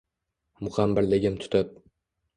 Mug`ambirligim tutib